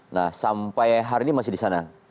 nah sampai hari ini masih disana